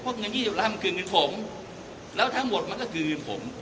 เพราะเงิน๒๐ล้านมันคือเงินผมแล้วทั้งหมดมันก็คือเงินผม